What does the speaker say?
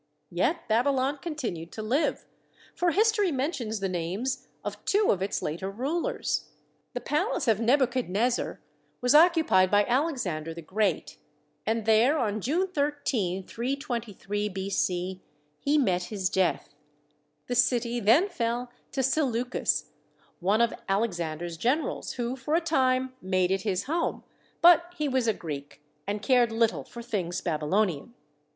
Yet Babylon continued to live, for history mentions the names of two of its later rulers. The palace of Nebuchadnezzar was occu THE WALLS OF BABYLON 65 pied by Alexander the Great, and there on June 13, 323 B.C., he met his death. The city then fell to Seleucus, one of Alexander's generals, who for a time made it his home, but he was a Greek and cared little for things Babylonian.